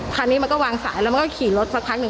คันนี้มันก็วางสายแล้วมันก็ขี่รถสักพักหนึ่ง